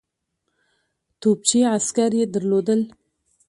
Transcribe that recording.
توپچي عسکر یې درلودل.